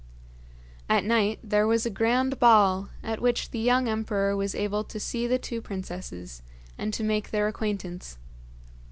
At night there was a grand ball at which the young emperor was able to see the two princesses and to make their acquaintance.